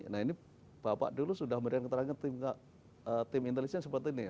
nah ini bapak dulu sudah memberikan keterangan tim intelijen seperti ini